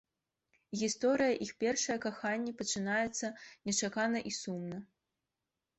Гісторыя іх першае каханне пачынаецца нечакана і сумна.